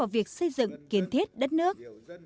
việc xây dựng kiên thiết đất nước